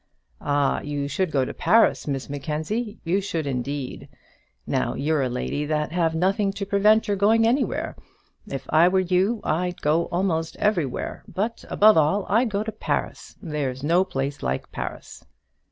"Ah, you should go to Paris, Miss Mackenzie; you should, indeed. Now, you're a lady that have nothing to prevent your going anywhere. If I were you, I'd go almost everywhere; but above all, I'd go to Paris. There's no place like Paris."